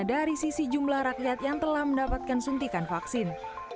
dari sisi jumlah rakyat yang telah mendapatkan suntikan vaksin